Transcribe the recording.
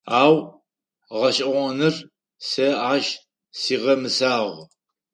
Ау, гъэшӏэгъоныр, сэ ащ сигъэмысагъ.